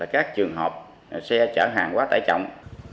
các trường hợp xe chở hàng hóa tải trọng